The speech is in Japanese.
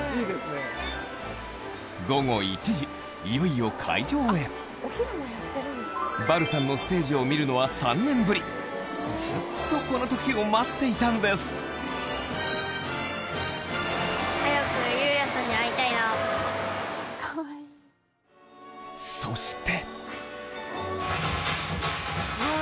午後１時いよいよ会場へバルさんのステージを見るのは３年ぶりずっとこの時を待っていたんですそして